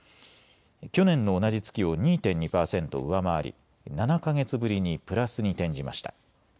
去年の同じ月を２．２％上回り７か月ぶりにプラスに転じました。